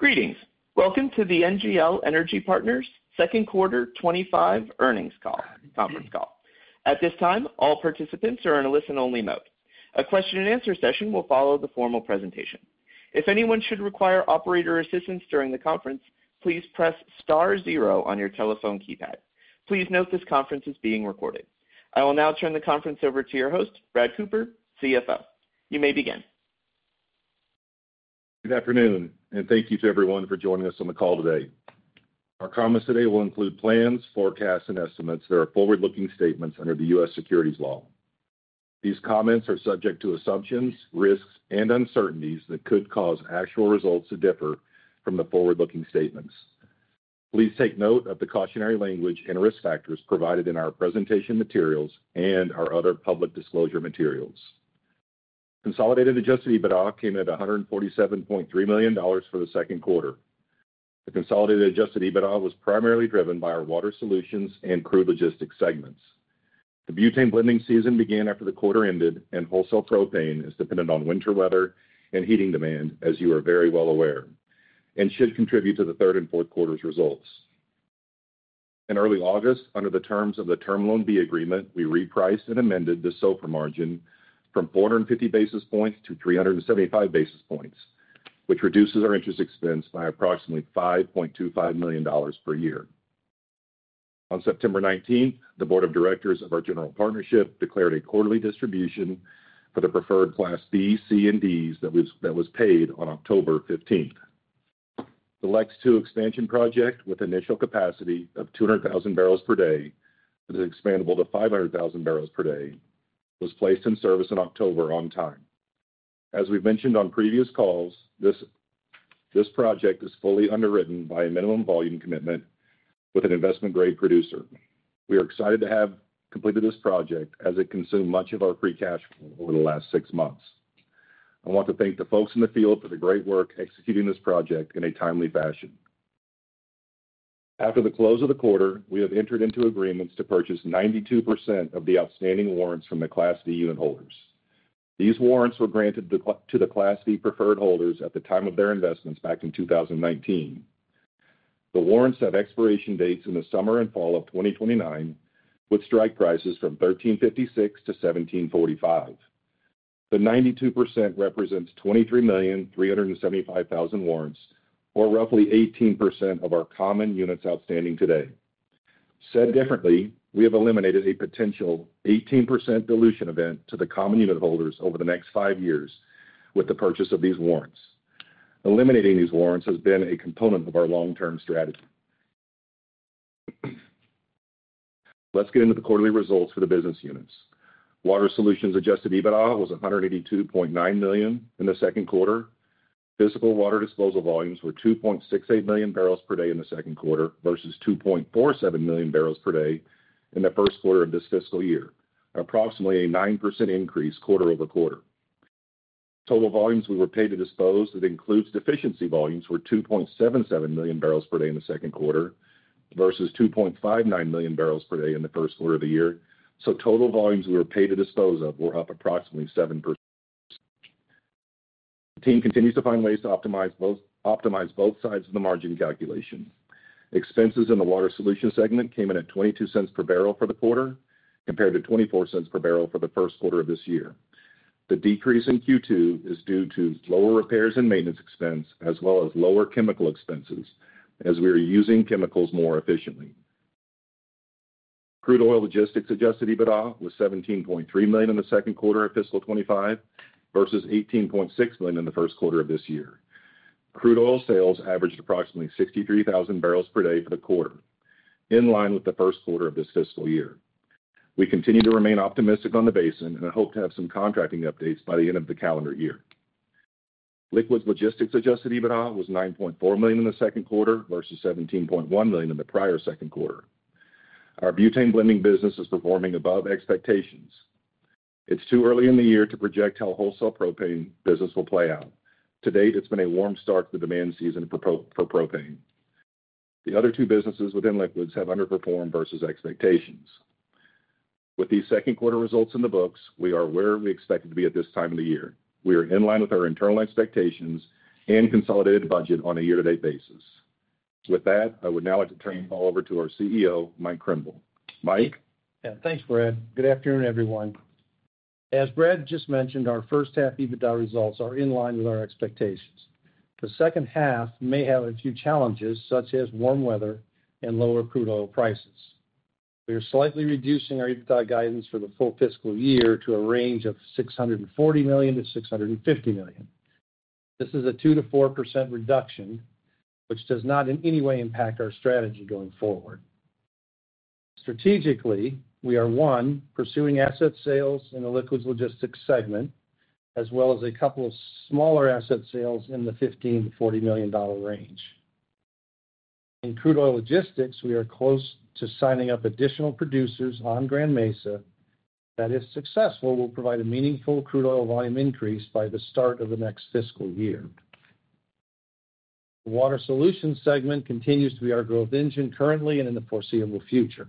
Greetings. Welcome to the NGL Energy Partners second quarter 2025 earnings conference call. At this time, all participants are in a listen-only mode. A question-and-answer session will follow the formal presentation. If anyone should require operator assistance during the conference, please press star zero on your telephone keypad. Please note this conference is being recorded. I will now turn the conference over to your host, Brad Cooper, CFO. You may begin. Good afternoon, and thank you to everyone for joining us on the call today. Our comments today will include plans, forecasts, and estimates that are forward-looking statements under the U.S. securities law. These comments are subject to assumptions, risks, and uncertainties that could cause actual results to differ from the forward-looking statements. Please take note of the cautionary language and risk factors provided in our presentation materials and our other public disclosure materials. Consolidated Adjusted EBITDA came in at $147.3 million for the second quarter. The consolidated Adjusted EBITDA was primarily driven by our Water Solutions and Crude Logistics segments. The butane blending season began after the quarter ended, and wholesale propane is dependent on winter weather and heating demand, as you are very well aware, and should contribute to the third and fourth quarter's results. In early August, under the terms of the Term Loan B Agreement, we repriced and amended the SOFR margin from 450 basis points-375 basis points, which reduces our interest expense by approximately $5.25 million per year. On September 19th, the board of directors of our general partnership declared a quarterly distribution for the preferred Class B, C, and D's that was paid on October 15th. The LEX II expansion project, with initial capacity of 200,000 bbl per day that is expandable to 500,000 bbl per day, was placed in service in October on time. As we've mentioned on previous calls, this project is fully underwritten by a minimum volume commitment with an investment-grade producer. We are excited to have completed this project, as it consumed much of our free cash flow over the last six months. I want to thank the folks in the field for the great work executing this project in a timely fashion. After the close of the quarter, we have entered into agreements to purchase 92% of the outstanding warrants from the Class D preferred unit holders. These warrants were granted to the Class D preferred unit holders at the time of their investments back in 2019. The warrants have expiration dates in the summer and fall of 2029, with strike prices from $13.56-$17.45. The 92% represents 23,375,000 warrants, or roughly 18% of our common units outstanding today. Said differently, we have eliminated a potential 18% dilution event to the common unit holders over the next five years with the purchase of these warrants. Eliminating these warrants has been a component of our long-term strategy. Let's get into the quarterly results for the business units. Water Solutions Adjusted EBITDA was $182.9 million in the second quarter. Physical water disposal volumes were 2.68 MMbpd in the second quarter versus 2.47 MMbpd in the first quarter of this fiscal year, approximately a 9% increase quarter-over-quarter. Total volumes we were paid to dispose that includes deficiency volumes were 2.77 MMbpd in the second quarter versus 2.59 MMbpd in the first quarter of the year. So total volumes we were paid to dispose of were up approximately 7%. The team continues to find ways to optimize both sides of the margin calculation. Expenses in the Water Solutions segment came in at $0.22 per bbl for the quarter compared to $0.24 per bbl for the first quarter of this year. The decrease in Q2 is due to lower repairs and maintenance expense, as well as lower chemical expenses, as we are using chemicals more efficiently. Crude Oil Logistics Adjusted EBITDA was $17.3 million in the second quarter of fiscal 2025 versus $18.6 million in the first quarter of this year. Crude oil sales averaged approximately 63,000 bbl per day for the quarter, in line with the first quarter of this fiscal year. We continue to remain optimistic on the basin and hope to have some contracting updates by the end of the calendar year. Liquids Logistics Adjusted EBITDA was $9.4 million in the second quarter versus $17.1 million in the prior second quarter. Our butane blending business is performing above expectations. It's too early in the year to project how wholesale propane business will play out. To date, it's been a warm start to the demand season for propane. The other two businesses within liquids have underperformed versus expectations. With these second quarter results in the books, we are where we expect to be at this time of the year. We are in line with our internal expectations and consolidated budget on a year-to-date basis. With that, I would now like to turn the call over to our CEO, Mike Krimbill. Mike. Yeah. Thanks, Brad. Good afternoon, everyone. As Brad just mentioned, our first half EBITDA results are in line with our expectations. The second half may have a few challenges, such as warm weather and lower crude oil prices. We are slightly reducing our EBITDA guidance for the full fiscal year to a range of $640 million-$650 million. This is a 2%-4% reduction, which does not in any way impact our strategy going forward. Strategically, we are one pursuing asset sales in the Liquids Logistics segment, as well as a couple of smaller asset sales in the $15-$40 million range. In crude oil logistics, we are close to signing up additional producers on Grand Mesa. That, if successful, will provide a meaningful crude oil volume increase by the start of the next fiscal year. The Water Solutions segment continues to be our growth engine currently and in the foreseeable future.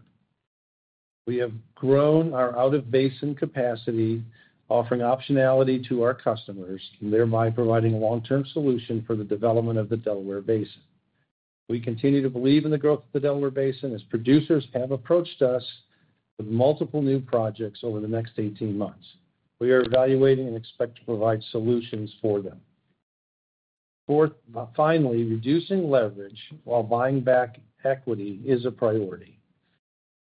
We have grown our out-of-basin capacity, offering optionality to our customers, thereby providing a long-term solution for the development of the Delaware Basin. We continue to believe in the growth of the Delaware Basin as producers have approached us with multiple new projects over the next 18 months. We are evaluating and expect to provide solutions for them. Finally, reducing leverage while buying back equity is a priority.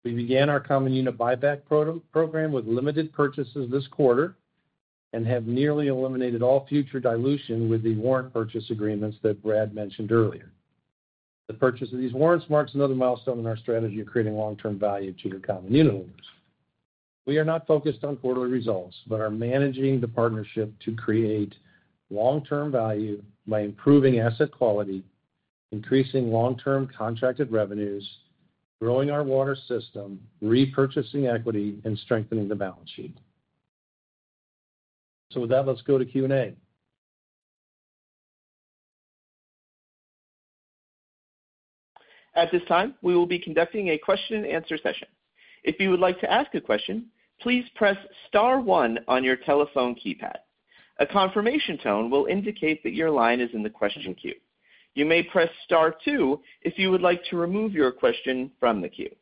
We began our common unit buyback program with limited purchases this quarter and have nearly eliminated all future dilution with the warrant purchase agreements that Brad mentioned earlier. The purchase of these warrants marks another milestone in our strategy of creating long-term value to the common unit holders. We are not focused on quarterly results, but are managing the partnership to create long-term value by improving asset quality, increasing long-term contracted revenues, growing our water system, repurchasing equity, and strengthening the balance sheet. So with that, let's go to Q&A. At this time, we will be conducting a question-and-answer session. If you would like to ask a question, please press star one on your telephone keypad. A confirmation tone will indicate that your line is in the question queue. You may press star two if you would like to remove your question from the queue.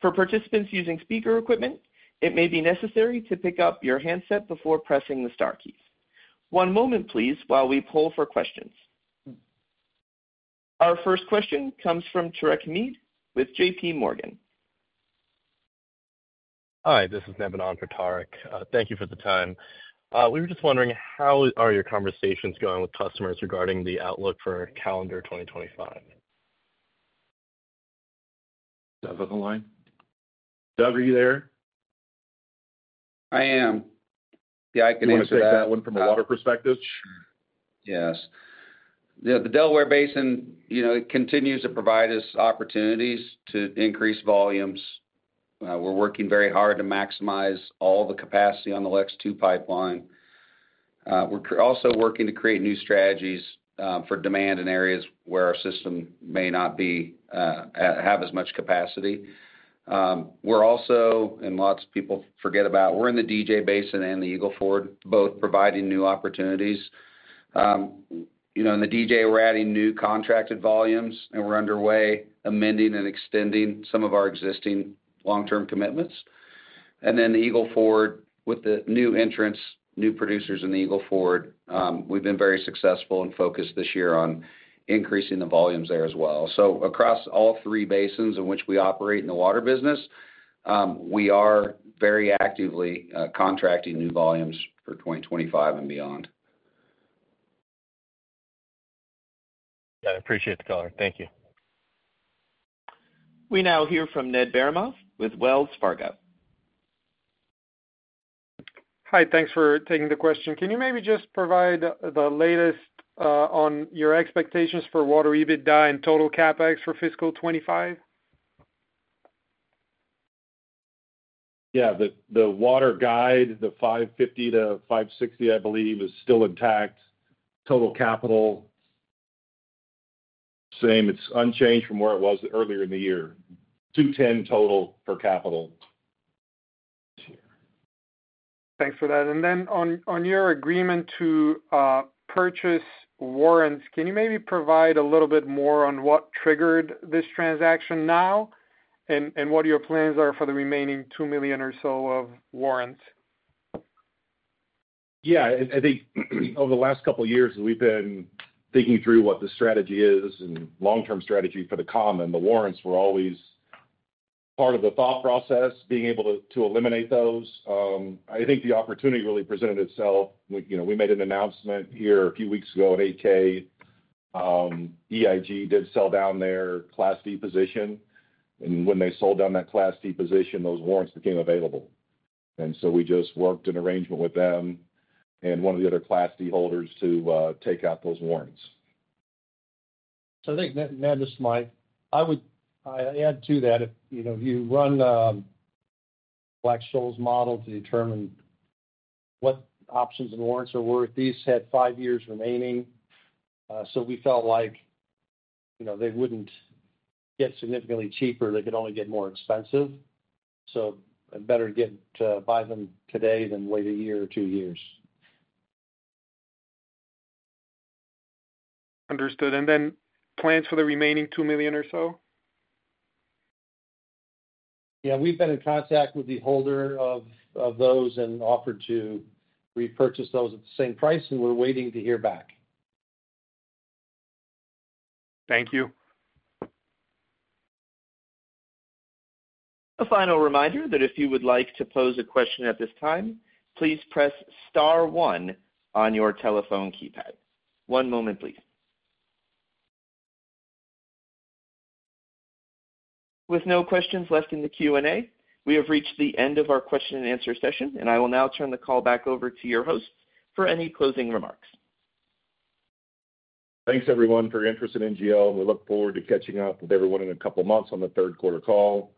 For participants using speaker equipment, it may be necessary to pick up your handset before pressing the star keys. One moment, please, while we pull for questions. Our first question comes from Tarek Hamid with JPMorgan. Hi. This is Nabonon Khatarik. Thank you for the time. We were just wondering, how are your conversations going with customers regarding the outlook for calendar 2025? Doug on the line. Doug, are you there? I am. Yeah, I can answer that. Do you want to take that one from a water perspective? Yes. Yeah, the Delaware Basin, it continues to provide us opportunities to increase volumes. We're working very hard to maximize all the capacity on the LEX II pipeline. We're also working to create new strategies for demand in areas where our system may not have as much capacity. We're also, and lots of people forget about, we're in the DJ Basin and the Eagle Ford, both providing new opportunities. In the DJ, we're adding new contracted volumes, and we're underway amending and extending some of our existing long-term commitments. And then the Eagle Ford, with the new entrants, new producers in the Eagle Ford, we've been very successful and focused this year on increasing the volumes there as well. So across all three basins in which we operate in the water business, we are very actively contracting new volumes for 2025 and beyond. Yeah, I appreciate the call. Thank you. We now hear from Ned Baramov with Wells Fargo. Hi. Thanks for taking the question. Can you maybe just provide the latest on your expectations for water EBITDA and total CapEx for fiscal 2025? Yeah. The water guide, the 550-560, I believe, is still intact. Total capital same. It's unchanged from where it was earlier in the year. 210 total for capital this year. Thanks for that. And then on your agreement to purchase warrants, can you maybe provide a little bit more on what triggered this transaction now and what your plans are for the remaining 2 million or so of warrants? Yeah. I think over the last couple of years, we've been thinking through what the strategy is and long-term strategy for the common and the warrants were always part of the thought process, being able to eliminate those. I think the opportunity really presented itself. We made an announcement here a few weeks ago at 8K. EIG did sell down their Class D position. And when they sold down that Class D position, those warrants became available. And so we just worked an arrangement with them and one of the other Class D holders to take out those warrants. So, I think, Ned, this is Mike. I would add to that if you run Black-Scholes model to determine what options and warrants are worth, these had five years remaining. So we felt like they wouldn't get significantly cheaper. They could only get more expensive. So better to buy them today than wait a year or two years. Understood. And then plans for the remaining two million or so? Yeah. We've been in contact with the holder of those and offered to repurchase those at the same price, and we're waiting to hear back. Thank you. A final reminder that if you would like to pose a question at this time, please press star one on your telephone keypad. One moment, please. With no questions left in the Q&A, we have reached the end of our question-and-answer session, and I will now turn the call back over to your host for any closing remarks. Thanks, everyone, for your interest in NGL. We look forward to catching up with everyone in a couple of months on the third quarter call.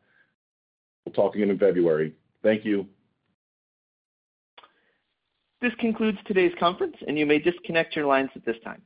We'll talk again in February. Thank you. This concludes today's conference, and you may disconnect your lines at this time.